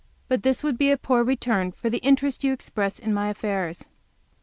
But this would be but a poor return for the interest you express in my affairs.